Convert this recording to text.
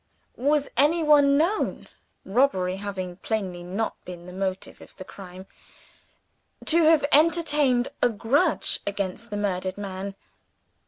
Was anyone known (robbery having plainly not been the motive of the crime) to have entertained a grudge against the murdered man?